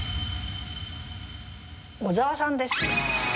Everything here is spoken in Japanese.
小沢さんです。